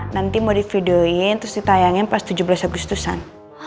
nanti mau divideoin terus ditayangin pas tujuh belas agustusan